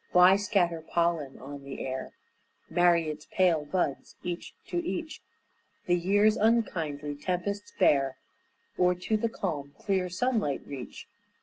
Why scatter pollen on the air, Marry its pale buds each to each, The year's unkindly tempests bear, Or to the calm clear sunlight reach?